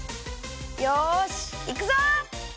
よしいくぞ！